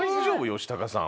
ヨシタカさん